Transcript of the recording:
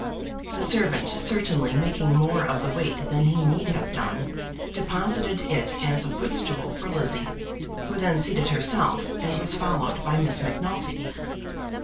The servant, certainly making more of the weight than he need have done, deposited it as a foot stool for Lizzie, who then seated herself, and was followed by Miss Macnulty.